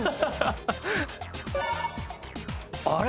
あれ？